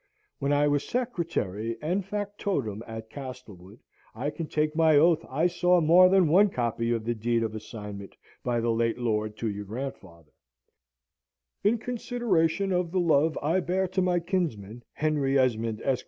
When I was secretary and factotum at Castlewood, I can take my oath I saw more than once a copy of the deed of assignment by the late lord to your grandfather: 'In consideration of the love I bear to my kinsman Henry Esmond, Esq.